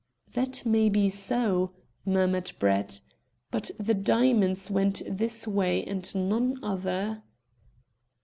"That may be so," murmured Brett; "but the diamonds went this way and none other."